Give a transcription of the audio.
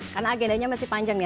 karena agendanya masih panjang ya